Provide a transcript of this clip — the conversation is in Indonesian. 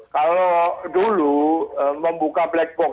kalau dulu membuka black box